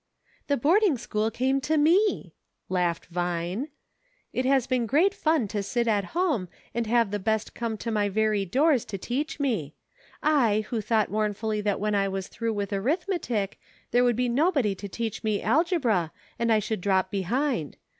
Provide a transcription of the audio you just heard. " The boarding school came to me," laughed Vine. " It has been great fun to sit at home and have the best come to my very doors to teach me ; I, who thought mournfully that when I was through with arithmetic there would be nobody to teach me algebra, and I should drop behind.